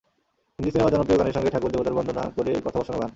হিন্দি সিনেমার জনপ্রিয় গানের সঙ্গে ঠাকুর-দেবতার বন্দনা করে কথা বসানো গান।